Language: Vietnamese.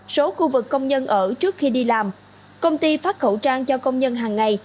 số khu vực công nhân ở trước khi đi làm công ty phát khẩu trang cho công nhân hàng ngày